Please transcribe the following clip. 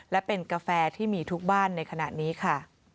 และเป็นกาแฟที่มีทุกบ้านในขณะนี้ค่ะ